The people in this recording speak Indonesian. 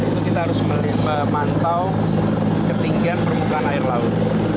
itu kita harus memantau ketinggian permukaan air laut